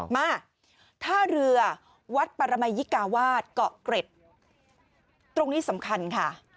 มาท่าเรือวัดปรมัยยิกาวาสเกาะเกร็ดตรงนี้สำคัญค่ะ